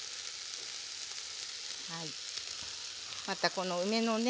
またこの梅のね